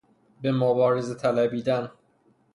به مبارزه طلبیدن